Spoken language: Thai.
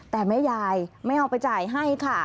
แต่แม่ยายไม่เอาไปจ่ายให้ค่ะ